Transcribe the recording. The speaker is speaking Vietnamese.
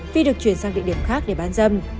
phi được chuyển sang địa điểm khác để bán dâm